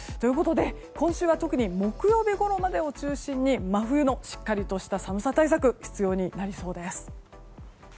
今週は特に木曜日ごろまでを中心に、真冬のしっかりとした寒さ対策が必要になりそうです。